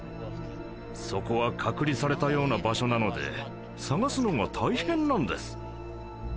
そこは隔離されたような場所なので捜すのが大変なんです。